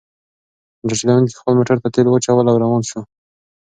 موټر چلونکي خپل موټر ته تیل واچول او روان شو.